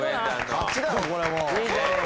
勝ちだろこれもう。